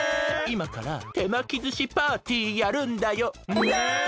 いまからてまきずしパーティーやるんだよ。ね！